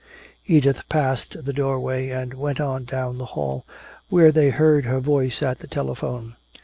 Edith passed the doorway and went on down the hall, where they heard her voice at the telephone.